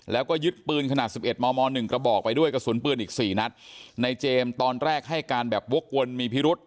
แล้วก็ยึดปืนขนาดสิบเอ็ดมมหนึ่งกระบอกไปด้วยกระสุนปืนอีกสี่นัดในเจมส์ตอนแรกให้การแบบวกวนมีพิรุษ